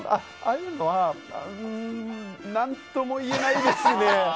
ああいうのは何とも言えないですね。